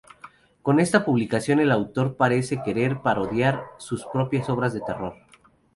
Con esta publicación el autor parece querer parodiar sus propias obras de terror.